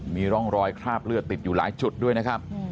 มีร่องรอยคราบเลือดติดอยู่หลายจุดด้วยนะครับ